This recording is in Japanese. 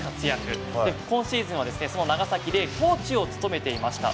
今シーズンはですね、その長崎でコーチを務めていました。